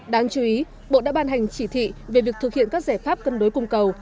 đáng chú ý bộ đã ban hành chỉ thị về việc thực hiện các giải pháp cân đối cung cầu